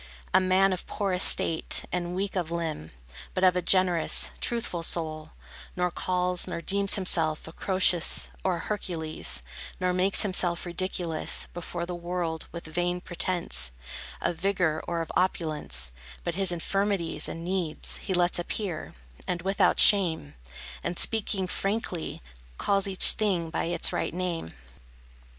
A man of poor estate, and weak of limb, But of a generous, truthful soul, Nor calls, nor deems himself A Croesus, or a Hercules, Nor makes himself ridiculous Before the world with vain pretence Of vigor or of opulence; But his infirmities and needs He lets appear, and without shame, And speaking frankly, calls each thing By its right name.